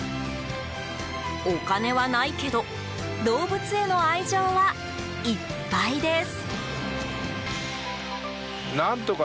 お金はないけど動物への愛情はいっぱいです。